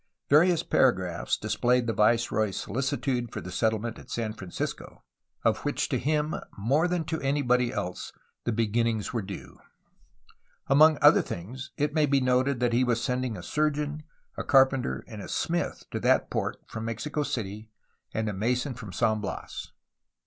Various paragraphs displayed the viceroy^s soUcitude for the settlement at San Francisco, of which to him more than to anybody else the beginnings were due. Among other things it may be noted that he was sending a surgeon, a carpenter, and a smith to that port from Mexico City and a mason from San Bias.